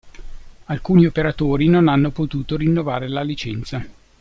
Alcuni operatori non hanno potuto rinnovare la licenza.